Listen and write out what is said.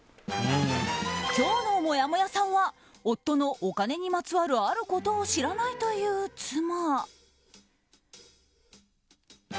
今日のもやもやさんは夫のお金にまつわるあることを知らないという妻。